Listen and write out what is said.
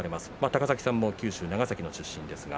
高崎さんも九州・長崎の出身です。